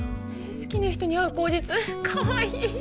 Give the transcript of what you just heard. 好きな人に会う口実かわいい。